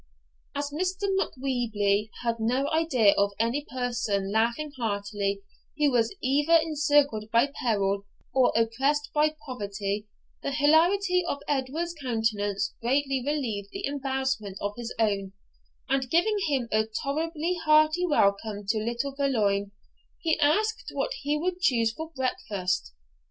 As Mr. Macwheeble had no idea of any person laughing heartily who was either encircled by peril or oppressed by poverty, the hilarity of Edward's countenance greatly relieved the embarrassment of his own, and, giving him a tolerably hearty welcome to Little Veolan, he asked what he would choose for breakfast.